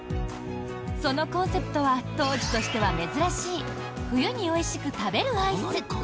そのコンセプトは当時としては珍しい冬においしく食べるアイス。